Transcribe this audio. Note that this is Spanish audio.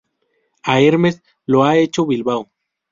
A "Hermes" lo ha hecho Bilbao.